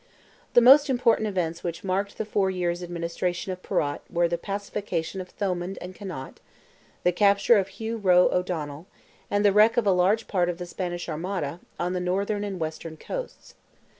The most important events which marked the four years' administration of Perrott were the pacification of Thomond and Connaught, the capture of Hugh Roe O'Donnell, and the wreck of a large part of the Spanish Armada, on the northern and western coasts.